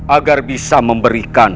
agar bisa memberikan